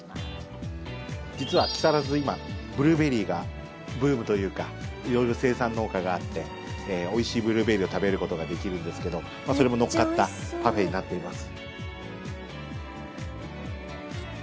実は、木更津は今ブルーベリーがブームというか色々、生産農家があっておいしいブルーベリーを食べることができるんですけどそれも乗っかったパフェになっています。